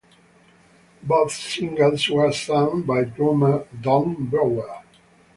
Both singles were sung by drummer Don Brewer.